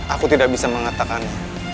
aku tidak bisa mengatakannya